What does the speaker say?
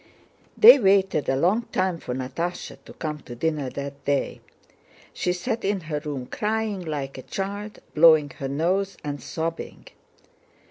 They waited a long time for Natásha to come to dinner that day. She sat in her room crying like a child, blowing her nose and sobbing.